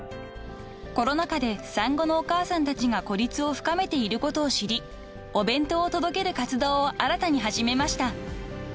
［コロナ過で産後のお母さんたちが孤立を深めていることを知りお弁当を届ける活動を新たに始めました］